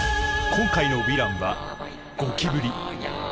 今回のヴィランはゴキブリ！